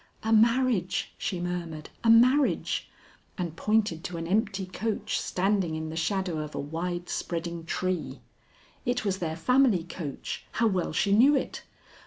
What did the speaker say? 'A marriage!' she murmured; 'a marriage!' and pointed to an empty coach standing in the shadow of a wide spreading tree. It was their family coach. How well she knew it!